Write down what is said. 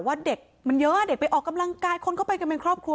ว่าเด็กมันเยอะเด็กไปออกกำลังกายคนเข้าไปกันเป็นครอบครัว